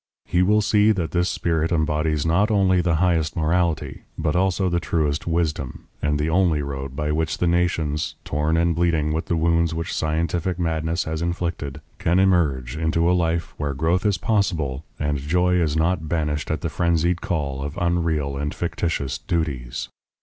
He will see that this spirit embodies not only the highest morality, but also the truest wisdom, and the only road by which the nations, torn and bleeding with the wounds which scientific madness has inflicted, can emerge into a life where growth is possible and joy is not banished at the frenzied call of unreal and fictitious duties.